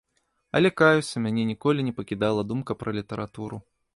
Але каюся, мяне ніколі не пакідала думка пра літаратуру.